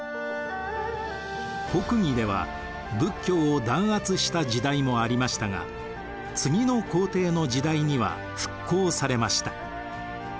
北魏では仏教を弾圧した時代もありましたが次の皇帝の時代には復興されました。